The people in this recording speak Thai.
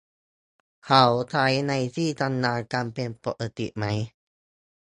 เขาใช้ในที่ทำงานกันเป็นปกติไหม